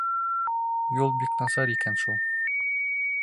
— Юл бик насар икән шул.